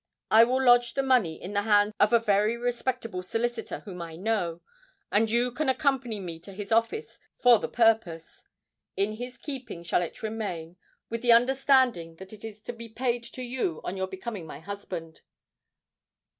I will lodge the money in the hands of a very respectable solicitor whom I know, and you can accompany me to his office for the purpose. In his keeping shall it remain, with the understanding that it is to be paid to you on your becoming my husband."